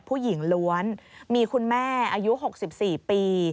ผู้หญิงล้วนมีคุณแม่อายุ๖๔ปี